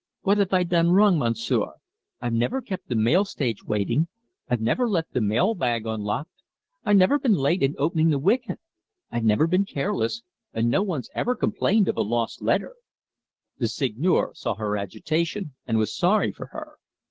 "What have I done wrong, Monsieur? I've never kept the mail stage waiting; I've never left the mailbag unlocked; I've never been late in opening the wicket; I've never been careless, and no one's ever complained of a lost letter." The Seigneur saw her agitation, and was sorry for her.